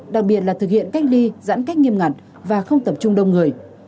đặc biệt là thực hiện cách ly giãn cách nghiêm ngặt và không tập trung đông người